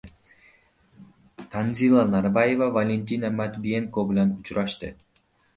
Tanzila Narbayeva Valentina Matviyenko bilan uchrashdi